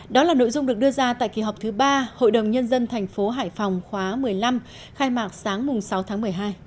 đó là nội dung được đưa ra tại kỳ họp thứ ba hội đồng nhân dân thành phố hải phòng khóa một mươi năm khai mạc sáng sáu tháng một mươi hai